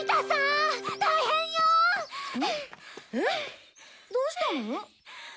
えっどうしたの？